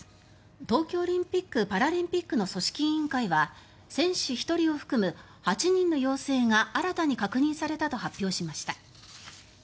東京オリンピック・パラリンピックの組織委員会は選手１人を含む８人の陽性が新たに確認されたと発表しました。